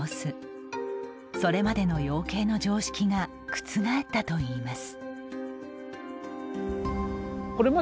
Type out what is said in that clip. それまでの養鶏の常識が覆ったといいます。